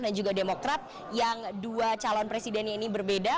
dan juga demokrat yang dua calon presidennya ini berbeda